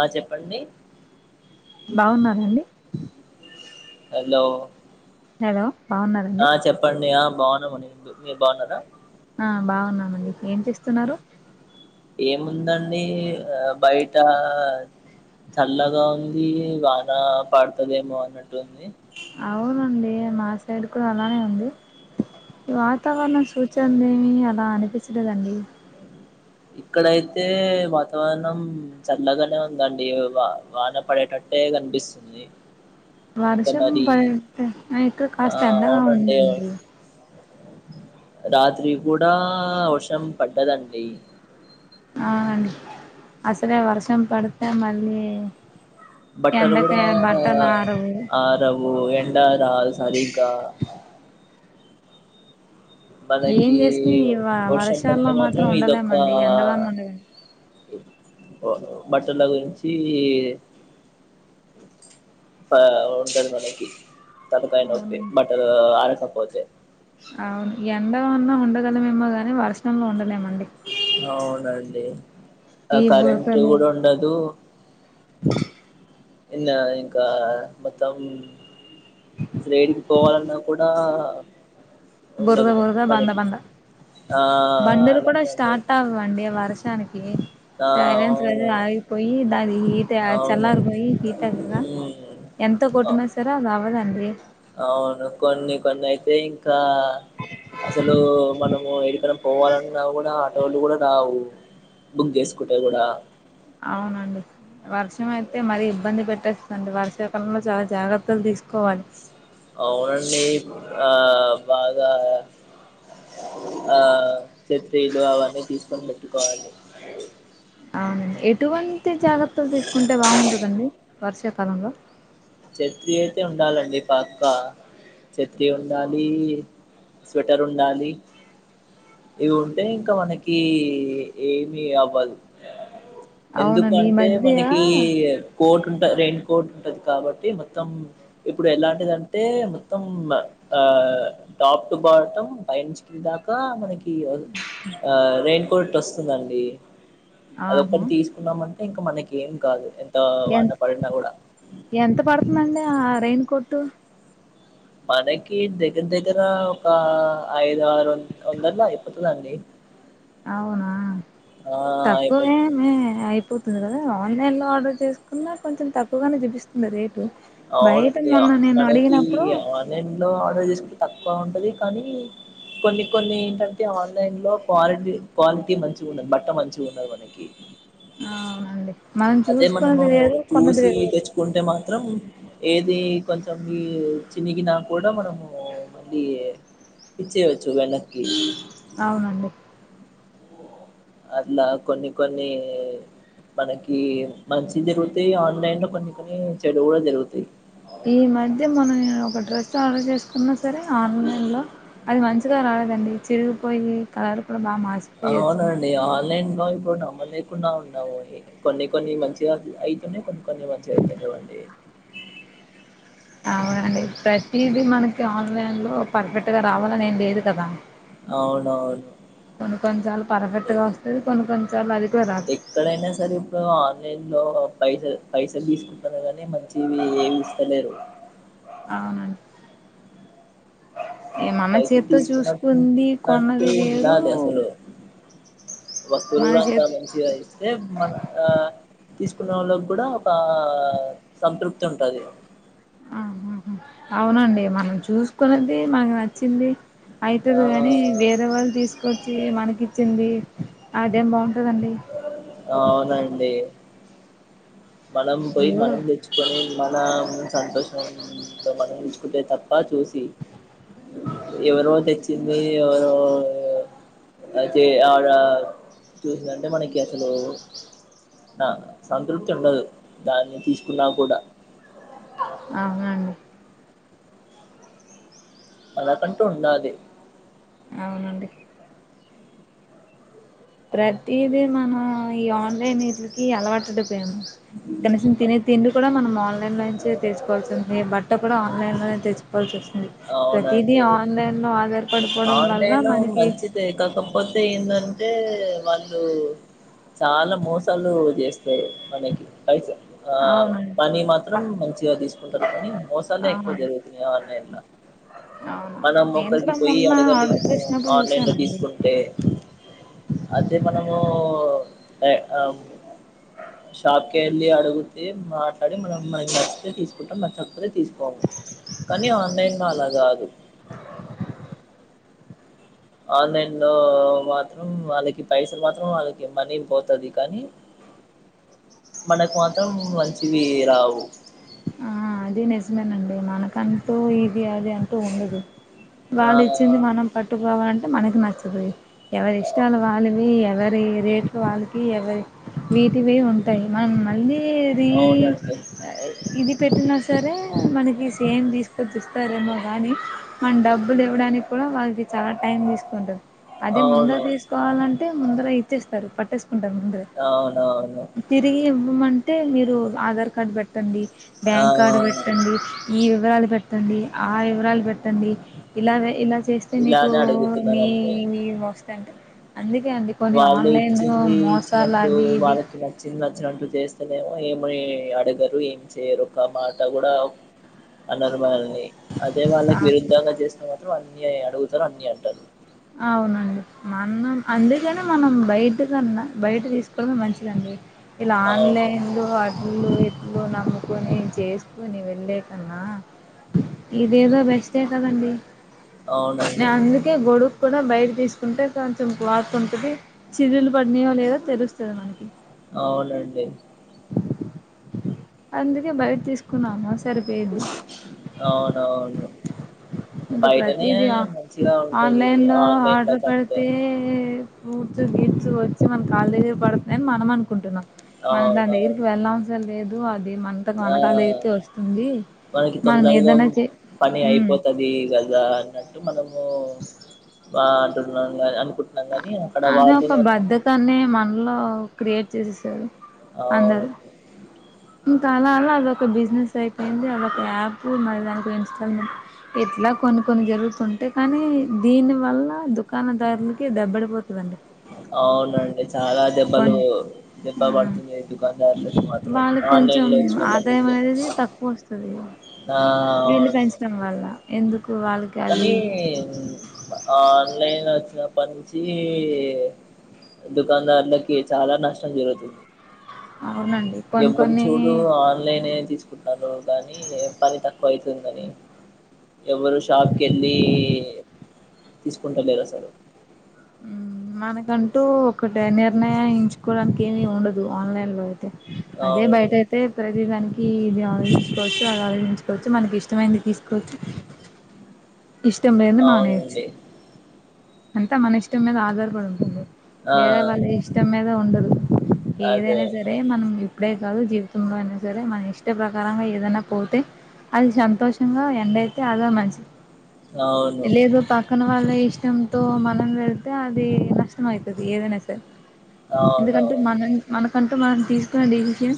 ఆ చెప్పండి బాగున్నారండి హలో హలో బాగున్నారండి ఆ చెప్పండి ఆ బాగున్నామండి ఇద్ ఆ బాగున్నామండి ఏం చేస్తున్నారు ఏముందండి ఆ బయట చల్లగా ఉంది వాన పాడుతుదేమో అన్నట్టు ఉంది అవునండి మా సైడ్ కూడా అలానే ఉంది ఈ వాతావరణం సూచనలు లేమి అలా అనిపించలేదండి ఇక్కడయితే వాతావరణం చల్లగానే ఉందండి వా వాన పడేటట్టు అట్టే కనిపిస్తుంది ఇంకా వర్షం మరి పడి ఇక్కడ ఆ కాస్త ఎండగా అవునండి ఉందండి రాత్రి కూడా వర్షం పడ్డదండి అవునండి అసలే వర్షం పడితే మళ్ళీ బట్టలు ఎండకి కూడా బట్టలు ఆరవు ఆరవు ఎం డా రాదు సారిగా ఏం మనకి చేసినా ఈ వ వర్షం వర్షాల్లో పడితే మాత్రం ఇదొక్క ఉండలేమండి ఎండలోనే ఉండలేము బట్టల గురించి ఆ ఉంటది మనకి తలకాయ నొప్పి అవునండి బట్టలు అరకపోతే అవును ఎండ ఉన్నా ఉండగలమేమో గాని వర్షంలో ఉండలేమండి అవునండి ఆ ఈ కరెంట్ బురదలు కూడా ఉండదు ఎన్న ఇంకా మొత్తం అసలు ఏడికి పోవాలన్నా కూడా బురుద ఉండదు బురుద బందా మనకి బందా ఆ బండులు కూడా అలానే ఉంటది స్టార్ట్ అవవండి వర్షానికి ఆ సైరిన్స్ కూడ అవును ఆగిపోయి దాని ఈ ఇట చల్లార్ అవునండి పోయి హీటర్ రా ఉమ్ ఎంత ఆ కొట్టిన సరే అది అవ్వదండీ అవును కొన్ని కొన్ని అయితే ఇంకా అసలు మనం ఓ ఎక్కడ పోవాలన్నా కూడా ఆటోలు కూడా రావు బుక్ చేసుకు అవునండి వర్షం అయితే మరీ ఇబ్బంది పెట్టేస్తు అండి వర్షాకాలంలో చాలా జాగ్రత్తలు తీసుకోవాలి అవునండి ఆ బాగా ఆ చెత్రీలు అవన్నీ తీసుకొని పెట్టుకోవాలి అవునండి ఎటువంటి జాగ్రత్తలు తీసుకుంటే బాగుంటదండి వర్షాకాలంలో చెత్రి అయితే ఉండాలండి పక్కా చెత్రి ఉండాలి స్వెటర్ ఉండాలి ఇవి ఉంటే ఇంకా మనకి ఏమి అవ్వదు ఎందుకు అవునండి ఈ అంటే మధ్య మనకి కోట్ ఉంట రెయిన్ కోట్ ఉంటది కాబట్టి ఏ మొత్తం ఇప్పుడు ఎలాంటిది అంటే మొత్తం ఆ టాప్ టు బాటమ్ ఆ పై నుంచి కింది దాకా మనకి ఆ రెన్ కోట్ వస్తదండి ఆహా అదొక్కటి తీసుకున్నామంటే ఇంకా మనకి ఏం కాదు ఎంత ఎ వాన పడినా కూడా ఎంత పడుతుందండి ఆ రైయిన్ కోట్టు మనకి దగ్గర దగ్గర ఒక ఐదు ఆరు వందల్లో అయిపోతుందండి అవునా ఆ అయిపోతుంది తక్కువేమి అయిపో కదా ఆన్లైన్ లో ఆర్డర్ చేసుకున్నా కొంచెం తక్కువగానే చూపిస్తుంది రేట్ అవునండి మనకి అడిగినప్పుడు ఆన్లైన్ లో ఆర్డర్ చేసుకుంటే తక్కువ ఉంటాది కానీ కొన్ని కొన్ని ఏంటాంటే ఆన్లైన్ లో క్వాలిటీ క్వాలిటీ మంచిగా ఉండదు బట్ట మంచిగా ఉండదు మనకి అవునండి మనం అదే మనము చూసుకున్నది వేరు కొన్నది చూసి వేరు తెచ్చుకుంటే మాత్రం ఏది కొంచెం ఈ చినిగిన కూడా మనము మళ్ళీ ఇచ్చేయచ్చు వెనక్కి అవునండి అట్లా కొన్ని కొన్ని మనకి మంచి జరుగుతాయి ఆన్లైన్ లో కొన్ని కొన్ని చెడు కూడా జరుగుతాయి ఈ మధ్య మనం ఒక డ్రెస్ ఆర్డర్ చేసుకున్నా సరే ఆన్లైన్ లో అది మంచిగా రాలే కాదండి చ చిరుగుపోయి కారు అవునండి ఆన్లైన్ ఇప్పుడు నమ్మలేకుండా ఉన్నాము అండి కొన్ని కొన్ని మంచిగా అయితున్నాయి కొన్ని కొన్ని మంచిగా అయితాలేవండి అవునండి ప్రతిదీ మనకి ఆన్లైన్ లో పర్ఫెక్ట్ గా రావాలని ఏం లేదు కదా అవునవును కొన్ని కొన్నిసార్లు పర్ఫెక్ట్గా వస్తుంది కొన్ని కొన్నిసార్లు అది కూడా రాదు ఎక్కడైనా సరే ఇప్పుడు ఆన్లైన్ లో పైస పైసల్ తీసుకుంటారు కానీ మంచివి ఏవి ఇస్తాలేరు అవునా ఏ మన పైసలు చేత్తో చూసుకుంది తీసుకున్నట్టున్నట్టు కొన్నది వేరు ఉండాలి అసలు వస్తువులు మన కూడా అంత చేత్ మంచిగా ఇస్తే మన ఆ తీసుకున్న వాళ్ళకి కూడా ఒక సంతృప్తి ఉంటది ఆహ అవునండి మనం చూసుకున్నది మనకి నచ్చింది ఆ అయితాది కాని వేరే వాళ్ళు తీసుకొచ్చి మనకి ఇచ్చింది అదేం బాగ అవునండి మనం పోయి ఇప్పుడు మనం తెచ్చుకొని మన సంతోషంతో మనం తీసుకుంటే తప్ప చూసి ఎవరో తెచ్చింది ఎవరో అయితే ఆవిడ చూసిందంటే మనకి అసలు ఆ సంతృప్తి ఉండదు దాన్ని తీసుకున్నా కూడా అవునండి మనకంటు ఉండాలి అవునండి ప్రతిది మనం ఈ ఆన్లైన్ వీటికి అలవాటు కనీసం తినే తిండి కూడా మనం ఆన్లైన్ లో నుంచి తెచ్చుకోవాల్సింది మీ బట్ట కూడా ఆన్లైన్లోనే తెచ్చుకోవాల్సి వస్తుంది ప్రతీదీ అవునండి ఆన్లైన్లో ఆధార్ ఆన్లైన్ మంచిదే కాకపోతే ఏమాంటే వాళ్ళు చాలా మోసాలు చేసు ఆ మనకి పైస ఆ మనీ ప మాత్రం మంచిగా తీసుకుంటారు కానీ మోసాలే అవును ఎక్కువ జరుగుతాయి మీ అన్లెన్ లో అవును మనం నిను ఒకరికి కూడా పోయి మొన్న ఆర్డర్ అడగాలిమో చేసినప్పుడు ఆన్లైన్ లో చూసానండి తీసుకుంటే అదే మనం ఏ అమ్ షాప్కి వెళ్ళి అడుగుతే మాట్లాడి మనం మనకి నచ్చితే తీసుకుంటాం నచ్చకపొతే కానీ ఆన్లైన్ లో అలా కాదు ఆన్లైన్ లో మాత్రం వాళ్ళకి పైసలు మాత్రం వాళ్ళకి మనీ పోతాది కానీ మనకు మాత్రం మంచివి రావు ఆ అది నిజమేనండి మనకంటూ ఈ అది అంటూ ఉండదు ఆ వాళ్ళు ఇచ్చింది మనం పట్టుకోవాలంటే మనకి నచ్చ దు ఎవరి ఆ ఇష్టాలు వాళ్ళవి ఎవరి రేట్లు వాళ్ళకి ఎవరి వేటివే ఉంటాయి మనం మళ్ళీ రీ అవునండి ఇది పెట్టినా సరే మనకి సేమ్ తీసుకొచ్చి ఇస్తారేమో కానీ మన డబ్బులు ఇవ్వడానికి కూడ్ వాళ్ళకి చాలా టైం తీసుకుంటుంది అదే ముంద అవును తీసుకోవాలంటే ముందర ఇచ్చేస్తారు పట్టే ఉంటా ముందర్ అవునవును తిరిగి ఉమ్ అంటే మీరు ఆధార్ కార్డు పెట్టండి ఆ బ్యాంక్ కార్డు పెట్టండి ఈ వివరాలు పెట్టండి ఆ వివరాలు పెట్టండి ఇలా ఇలా చేస్తే నీకు ఇలానే అడుగుతున్నారండి నీవి వస్తాయ్ అంటె అందుకే అండి కొన్ని వాళ్ళు ఆన్లైన్ ఇచ్చింది మోసాలు ఇచ్చినట్టు అవి ఇవి వాళ్ళకి నచ్చింది నచ్చినట్టు చేస్తనేమో ఏమి అడగరు ఏం చేయరు ఒక మాట కూడా అనర్ మనల్ ల్ని అదే ఆ వాళ్ళకి విరుద్ధంగా చేస్తే మాత్రం అన్ని అడుగుతారు అన్ని అంటారు అవునండి మనం అందుకని మనం బయట కన్నా బయట తీసుకోవడమే మంచిదండి ఇలా అవునండి ఆన్లైన్లు అడ్లు లు నమ్ముకొని చేసుకొని వెళ్ళే కన్నా ఇదేదో బెస్టే కదండి నేను అవునండి అందుకే గొడుక్ కూడా బయట తీసుకుంటే కొంచెం క్లాత్ ఉంటుంది చిదులు పటినాయో లేదో తెలుస్తుంది మనకి అవునండి అందుకే బయట తీసుకున్నాను సరిపోది అవునవును ఇక బయటనే ప్రతిదిీ మంచిగా ఉంటది ఆన్లైన్ లో ఆన్లైన్ లో ఆర్డర్ కంటే పెడితే ఫూ [unintelligible] మన కాళ్ళ దగ్గర పడుతుందిని మనం అనుకుంటున్నాం మనం దాని అవునవును దగ్గరికి వెళినవసరం లేదు అ మంత ఆ వెనకాల అయితే వస్తుంది మనకి మనం తొందరగా ఏదన్న చే పని ఉమ్ అయిపోతుది కదా అన్నట్టు మనం ఓ బా అంటునం కద అనుకుంటాం అనే ఒక బధకాన్ని మనలో క్రియేట్ చేసేసారు అ అందరూ ఒకే ఇంకా అలా అల్ అదొక బిజినెస్ అయిపోయింది అదొక యాప్ మరి దానికి ఇన్స్టాల్మెంట్ ఇట్లా కొన్ని కొన్ని జరుగుతుంటాయి కానీ దీనివల్ల దుకాణదారులకి దెబ్బడిపోతు అవునండి చాలా కొ దెబ్బలు దెబ్బ ఆ పడుతున్నాయి దుకాణదారులకి మాత్రం వాళ్ళకి కొంచెం ఆన్లైన్ లు వచ్చినప్పుడు ఆదాయం నుండి అనేది తక్కువ వస్తది ఆ వీళ్లు అవును పెంచడం వల్ల ఎందుకు వాళ్ళకి అది కానీ ఆన్లైన్ వచ్చినప్ పట్ట నుంచి దుకాదార్లకి చాలా నష్టం జరుగుతుంది అవునండి కొన్ని ఎవరినీ కొన్ని చూడు ఆన్లైన్ తీసుకు [unintelligible] కానీ పని తక్కువ అయితుందిని ఎవరు షాప్ తీసుకుంటా లేర అసలు హ్మ్ మనకంటూ ఒకటి నిర్ణయించుకోవడానికి ఏమి ఉండదు ఆన్లైన్ లో అయితే అదే అవును బయట అయితే ప్రతీదనికి ఇది ఆలోచించుకోవచ్చు అది ఆలోచించుకోవచ్చు మనకి ఇష్టమైనంది తీసుకోవచ్చు ఇష్టం లేదు మానేయచు అవునండి అంటే మన ఇష్టం మీద ఆధారపడి ఉంటుంది ఆ వేరే వాళ్ళ ఇష్టం మీద ఉండదు అదే ఏదైనా సరే మనం ఇప్పుడే కాదు జీవితంలో అయినా సరే మన ఇష్ట ప్రకారంగా ఏదనా పోతే అది సంతోషంగా ఎ ఎల్తే అదే మంచి అవును పక్కన వాళ్ళ ఇష్టంతో మనం వెళితే అది నష్టం అయితది ఏదైనా సరే ఎందుకంటే అవునవును మనం మనకంట మనం తీసుకున్న డెసిషన్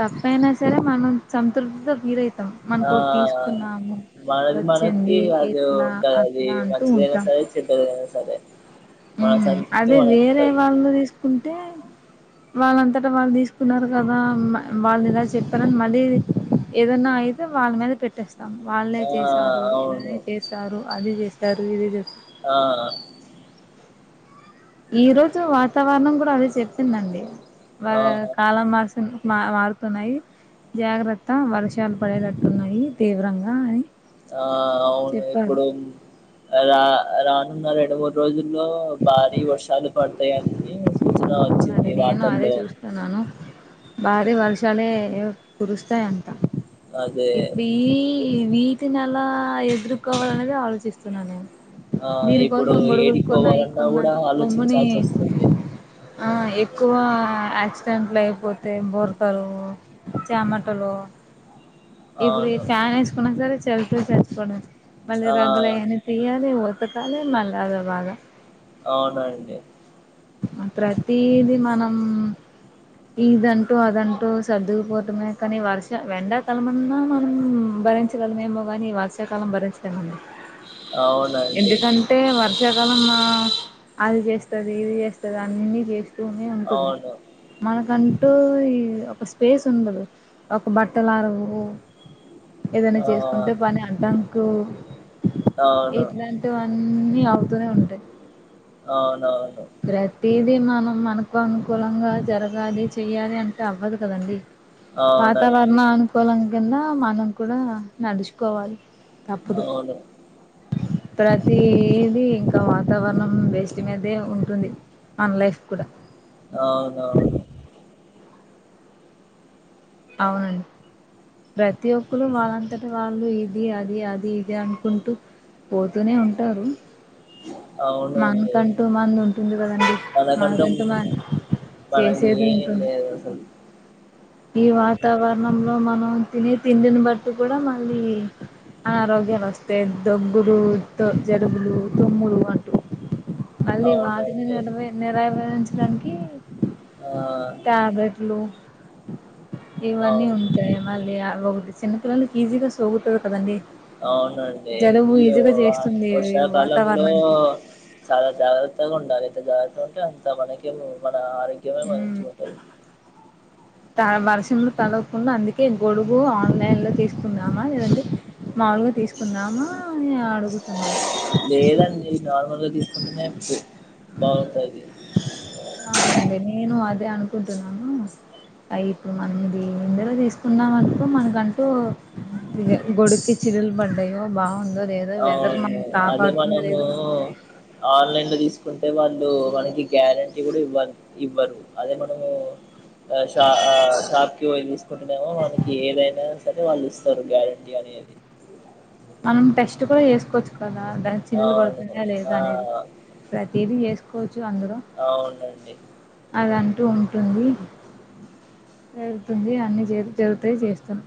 తప్పైనా సరే మనం సంతృప్తితో ఫీలయితం ఆ మనకోటి తీసుకున్నాము మనది మనకి వచ్చింది అది ఇట్లా ఉంటది అది అట్లా అంటూ మంచిదైనా ఉంటాం సరే చెడ్దదైనా సరే మన సంతృప్తి అదే మనకు వేరే ఉంటది వాళ్ళు తీసుకుంటే వాళ్ళంతటా వాళ్ళు తీసుకున్నారు కదా వాళ్ళు ఇలా చెప్పారని మళ్ళీ ఏదన్నా అయితే వాళ్ళ మీద పెట్టేస్తాం వాళ్లే ఆ! చేసారు అవును. అది చేసారు ఇది చేసారు ఆ ఈ రోజు వాతావరణం కూడా అదే చెప్పిందండి ఆ! వాళ కాలం మాసం మా మారుతున్నాయి జాగ్రత్త వర్షాలు పడేటట్టున్నాయి తీవ్రంగా అని ఆ అవును చెప్పారు ఇప్పుడు రా రానున్న రెండు మూడు రోజుల్లో భారీ వర్షాలు పడతాయని సూచన అదే వచ్చింది నేను అదే వార్తల్లో. చూస్తున్నాను భారీ వర్షాలే కురుస్తయి అంట అదే ఇప్పుడు ఈ ఈ వీటిని ఎలా ఎదుర్కోవాలి అనేది ఆలోచిస్తున్నా నేను ఆ! దీని ఇప్పుడు కోసం గొడుగులు ఏడికి కొన్నా [unintelligible] పోవాలన్నా కొన్నా గూడా బొమ్ముని ఆలోచించాల్సొస్తుంది. ఆ ఎక్కువ ఆక్సిడెంట్లు అయిపోతే బొరకలు చెమటలు ఇప్పుడు ఈ అవును. ఫ్యాన్ వేసుకున్నా సరే చలి తో చచ్చిపోవడం మళ్ళీ ఆ! రగ్గులయని తీయాలి ఉతకాలి మళ్ళీ అదో బాద అవునండి ప్రతిది మనం ఇదంటూ అదంటూ సర్దుకుపోవటమే కానీ వర్ష ఎండాకాలమన్నా మనం భరించగలమేమో కానీ ఈ వర్షాకాలం భరించలేమండి అవునండి. ఎందుకంటే వర్ష వర్ష కాలం అది చేస్తది ఇది చేస్తది అన్ని చేస్తూనే ఉంటుంది అవును. మనకంటు ఈ ఒక స్పేస్ ఉండదు ఒక బట్టలు ఆరవు ఏదైనా ఆ! చేసుకుంటే పని అడ్డంకు అవును. ఇట్లాంటివన్నీ అవుతూనే ఉంటాయి అవునవును. తది మనం మనకు అనుకూలంగా జరగాలి చెయ్యాలి అంటే అవ్వదు కదండి అవునండి. వాతావరణ అనుకూలం కింద మనం కూడా నడుచుకోవాలి అవును ప్రతీదిీ ఇంకా వాతావరణం బేస్డ్ మీదే ఉంటుంది ఉంటుంది మన లైఫ్ కూడా అవునవును. అవునండి ప్రతి ఒక్కరు వాళ్ళంతట వాళ్ళు ఇది అది అది ఇది అనుకుంటూ పోతూనే ఉంటారు అవునండి. మనకంటూ మందు ఉంటుంది కదండి మనకంటూ మ మనది ఏం లేదసలు ఈ వాతావరణంలో మనం తినే తిండిని బట్టి కూడా మళ్ళీ అనారోగ్యాలు వస్తే దగ్గులు త జలుబులు తుమ్ములు అంటూ మళ్ళీ వాటిని అవునండి నివే నిరావరించడానికి ఆ ట్యాబ్లెట్లు ఇవన్నీ అవును ఉంటాయి మళ్ళీ అవొకటి చిన్నపిల్లలకి ఈజీగా సోకుతది కదండి అవునండి జలుబు ఈ ఈజీగా చేస్తుంది వర్షాకాలంలో వాతావరణానికి చాలా జాగ్రత్తగా ఉండాలి ఎంత జాగ్రత్తగ ఉంటే అంత మనకి మన ఆరోగ్యమే ఉమ్ మంచిగ ఉంటది త వర్షం లో తడవ కుండా అందుకే గొడుగు ఆన్లైన్ లో తీసుకుందామా లేదంటే మాములుగా తీసుకుందామా అని అడుగుతున్నాము కుంటునే [unintelligible] బాగుంటది అవునండి అ ఇప్పుడు మనం దినీ నెంబర్ తీసుకుందాం అనుకో మనకంటూ ఇదే గొడుక్కి చిల్లులు పడ్డాయో బాగుండదు. అవును. అదే మనము ఆన్లైన్ లో తీసుకు కుంటే వాళ్ళు మనకి గ్యారెంటీ కూడా ఇవ్వ ఇవ్వరు. అదే మనము ఆ షా ఆ షాప్కి పోయి తీసుకుంటనేమో మనకి ఏదైనా సరే వాళ్ళు ఇస్తారు. గ్యారంటీ అనేది మనం టెస్ట్ కూడా చేసుకోవచ్చు. కదా దాని చిల్లు అవును పడుతున్నాయా లేదా ఆ అనేది ప్రతిదీ చేసు చ్చు అందరూ అవునండి అదంటూ ఉంటుంది. జరుగుతుంది. అన్ని జరుగుతాయి చేస్తాం